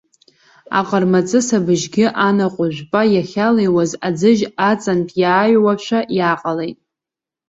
Аҟармаҵыс абжьгьы анаҟә жәпа иахьалыҩуаз, аӡыжь аҵантә иааҩуашәа иааҟалеит.